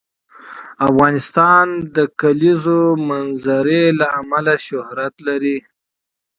افغانستان د د کلیزو منظره له امله شهرت لري.